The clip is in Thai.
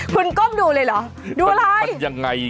คุณก้มดูเลยหรอดูอะไร